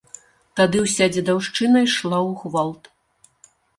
Тады ўся дзедаўшчына ішла ў гвалт.